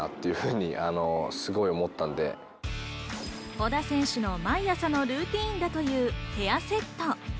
小田選手の毎朝のルーティンだというヘアセット。